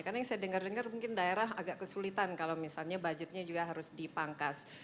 karena yang saya dengar dengar mungkin daerah agak kesulitan kalau misalnya budgetnya juga harus dipangkas